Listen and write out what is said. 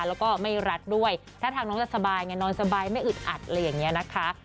แล้วก็ไม่รักด้วยถ้าทางน้องจะสบายไงนอนสบายไม่อึดอัดอะไรอย่างนี้นะคะ